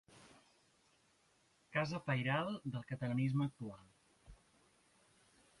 Casa pairal del catalanisme actual.